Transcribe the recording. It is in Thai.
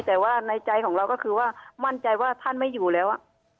แต่ว่าในใจของเราก็คือว่ามั่นใจว่าท่านไม่อยู่แล้ว